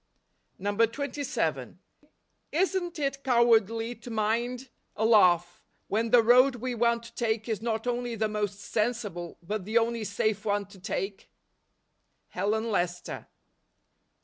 27. Isn't it cowardly to mind a laugh, when the road we want to take is not only the most sensible, but the only safe one to take? Helen Lester.